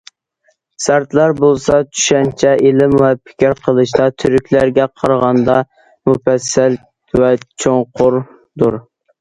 سارتلار بولسا، چۈشەنچە، ئىلىم ۋە پىكىر قىلىشتا تۈركلەرگە قارىغاندا مۇپەسسەل ۋە چوڭقۇردۇر.